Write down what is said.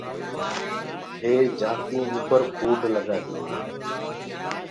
وي جآتيٚنٚ اوپر ڪوڊ لگآ دينيٚ۔